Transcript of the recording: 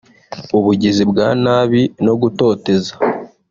ubugizi bwa nabi no gutoteza